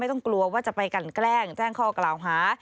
ต้องกลัวว่าจะไปกันแกล้งแจ้งข้อกล่าวหา